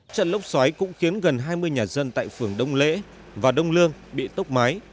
trận lốc xoáy cũng khiến gần hai mươi nhà dân tại phường đông lễ và đông lương bị tốc mái